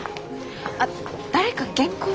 あっ誰か原稿を。